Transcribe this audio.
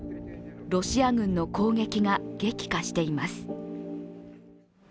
ロシア軍の攻撃が激化しています。